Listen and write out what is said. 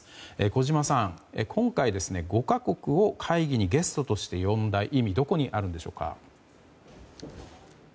小島さん、今回５か国を会議にゲストとして呼んだ意味はどこにあるんでしょうか？